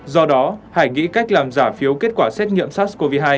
do đó hải nghĩ cách làm giả phiếu kết quả xét nghiệm sars cov hai